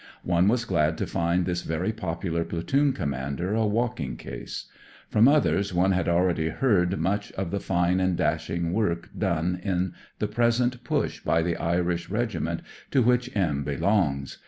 One was glad to find this very popular Platoon Commander a "walking case." From others one had ahready heard much of the fine and dashing work done in the present Push by the Irish Regiment to which M belongs.